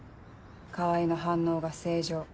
川合の反応が正常。